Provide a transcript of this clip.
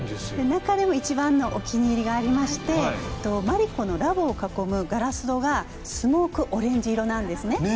中でも一番のお気に入りがありましてマリコのラボを囲むガラス戸がスモークオレンジ色なんですね。